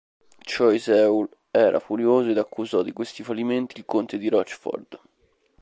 Choiseul era furioso ed accusò di questi fallimenti il conte di Rochford.